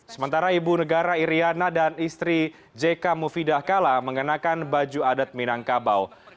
sementara ibu negara iryana dan istri jk mufidah kala mengenakan baju adat minangkabau